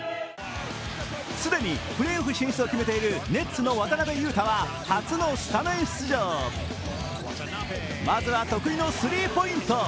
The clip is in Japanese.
既にプレーオフ進出を決めているネッツの渡邊雄太はまずは得意のスリーポイント。